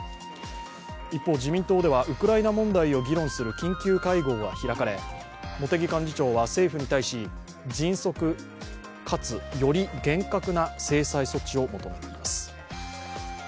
一方、自民党ではウクライナ問題を議論する緊急会合が開かれ、茂木幹事長は政府に対し迅速かつ、より厳格な制裁措置を求めています。